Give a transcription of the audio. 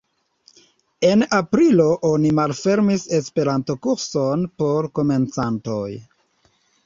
En aprilo oni malfermis Esperanto-kurson por komencantoj.